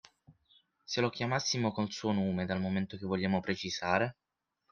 Se lo chiamassimo col suo nome, dal momento che vogliamo precisare?